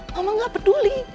mama gak peduli